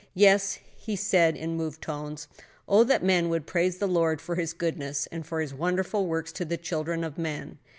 "Yes," he said, in moved tones. "Oh, that men would praise the Lord for His goodness, and for His wonderful works to the children of men!"